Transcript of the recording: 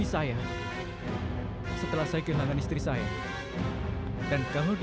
saya selalu memikirkan ibu